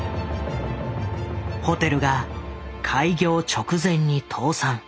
ホテルが開業直前に倒産。